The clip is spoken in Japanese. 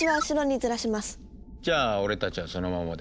じゃあ俺たちはそのままで。